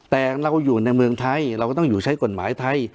แต่เราอยู่ในเมืองไทยเราก็ต้องอยู่ใช้กฎหมายไทย